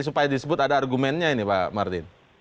supaya disebut ada argumennya ini pak martin